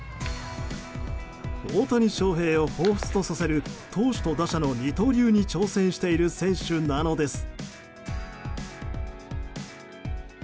大谷翔平をほうふつとさせる投手と打者の二刀流に挑戦している選手なのです。